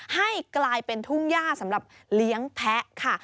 ให้กลายเป็นทุ่งย่าสำหรับเลี้ยงแพะค่ะ